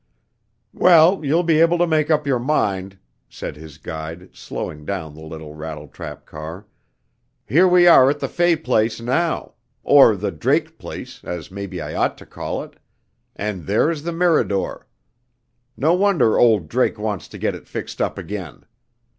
"Well, you'll be able to make up your mind," said his guide, slowing down the rattletrap car. "Here we are at the Fay place, now or the Drake place, as maybe I ought to call it and there's the Mirador. No wonder old Drake wants to get it fixed up again!